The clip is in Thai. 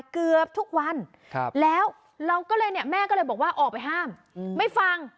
เกือบทุกวันแล้วแม่ก็เลยบอกว่าออกไปห้ามไม่ฟัง